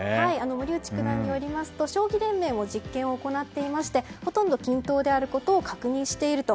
森内九段によりますと将棋連盟も実験を行っていましてほとんど均等であることを確認していると。